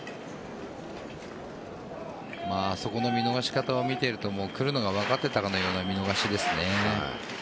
あそこの見逃し方を見ていると来るのが分かってたかのような見逃しですね。